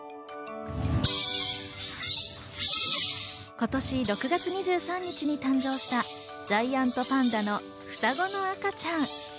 今年６月２３日に誕生したジャイアントパンダの双子の赤ちゃん。